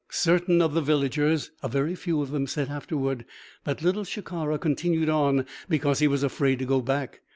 Certain of the villagers a very few of them said afterward that Little Shikara continued on because he was afraid to go back.